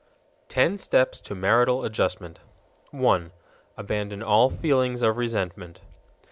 Ten Steps To Marital Adjustment _1. Abandon all feelings of resentment.